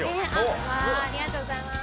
宮村：ありがとうございます。